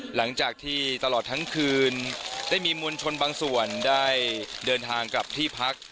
หลังจากที่ตลอดทั้งคืนได้มีมวลชนบางส่วนได้เดินทางกลับที่พัก